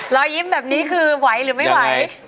รอยยิ้มแบบนี้คือไหวหรือไม่ไหว